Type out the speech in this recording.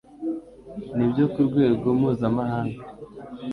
n ibyo ku rwego mpuzamahanga